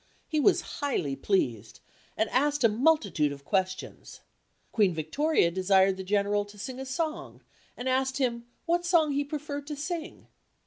He was highly pleased, and asked a multitude of questions. Queen Victoria desired the General to sing a song, and asked him what song he preferred to sing.